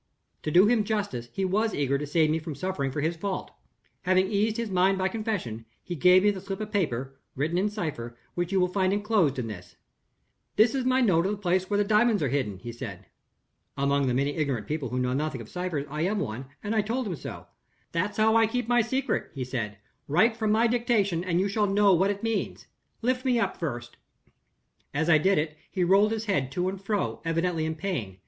"To do him justice, he was eager to save me from suffering for his fault. "Having eased his mind by confession, he gave me the slip of paper (written in cipher) which you will find inclosed in this. 'There is my note of the place where the diamonds are hidden,' he said. Among the many ignorant people who know nothing of ciphers, I am one and I told him so. 'That's how I keep my secret,' he said; 'write from my dictation, and you shall know what it means. Lift me up first.' As I did it, he rolled his head to and fro, evidently in pain.